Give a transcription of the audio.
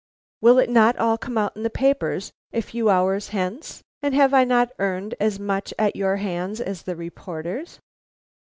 Will it not all come out in the papers a few hours hence, and have I not earned as much at your hands as the reporters?"